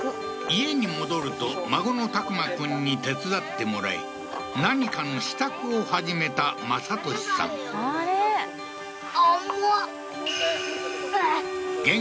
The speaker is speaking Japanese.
家に戻ると孫の拓真君に手伝ってもらい何かの支度を始めた政利さんあれ？